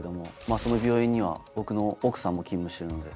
その病院には僕の奥さんも勤務してるので。